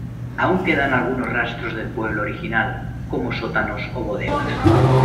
Aún quedan algunos rastros del pueblo original, como sótanos o bodegas.